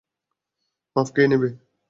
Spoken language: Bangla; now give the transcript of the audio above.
মাপ কে নিবে?